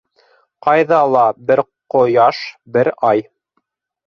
Ҡайҙа ла бер Ҡояш, бер Ай.